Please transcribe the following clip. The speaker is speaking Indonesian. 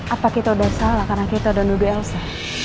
apa kita udah salah karena kita udah nuduh elsa